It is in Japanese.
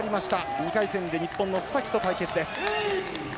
２回戦で日本の須崎と対戦です。